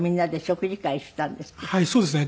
はいそうですね。